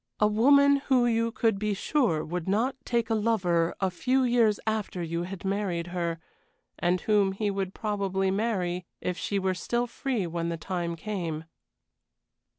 A woman who you could be sure would not take a lover a few years after you had married her, and whom he would probably marry if she were still free when the time came.